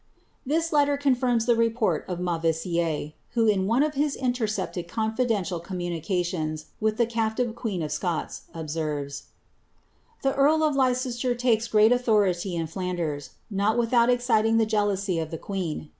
''' This onfinns the report of Mauvissiere, who, in one of his intercepted ■tial communications to the captive queen of Scots, observes^^* eari of Leicester takes great authority in Flanders, not without I the jealousy of the queen.